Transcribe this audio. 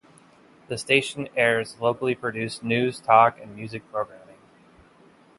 The station airs locally produced news, talk, and music programming.